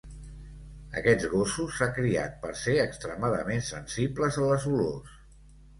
Aquests gossos s'ha criat per ser extremadament sensibles a les olors.